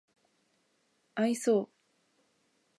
愛想